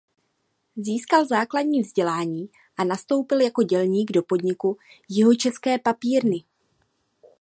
Získal základní vzdělání a nastoupil jako dělník do podniku "Jihočeské papírny".